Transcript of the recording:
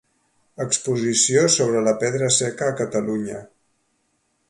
Exposició sobre la pedra seca a Catalunya.